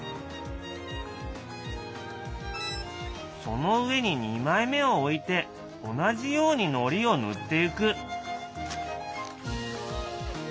その上に２枚目をおいて同じようにのりをぬってゆく。